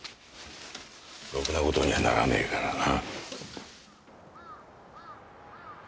ろくな事にはならねえからな。